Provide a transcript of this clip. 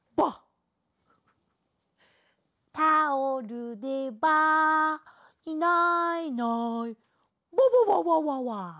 「タオルでバァいないいないバァバァバァ」